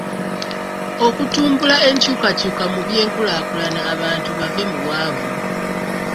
Okutumbula enkyukakyuka mu by'enkulaakulana abantu bave mu bwavu.